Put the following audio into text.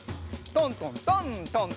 トントントン。